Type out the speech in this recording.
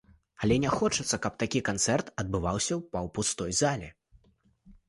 Але не хочацца, каб такі канцэрт адбываўся ў паўпустой залі.